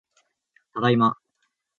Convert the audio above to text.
ただいま